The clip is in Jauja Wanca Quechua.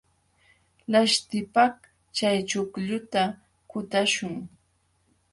Laśhtipaq chay chuqlluta kutaśhun.